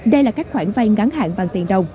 đây là các khoản vay ngắn hạn bằng tiền đồng